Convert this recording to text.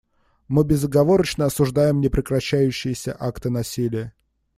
Мы безоговорочно осуждаем непрекращающиеся акты насилия.